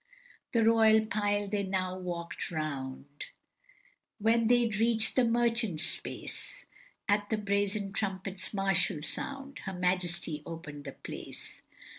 The royal pile they now walk'd round, When they reach'd the merchants' space, At the brazen trumpet's martial sound, Her Majesty open'd the place.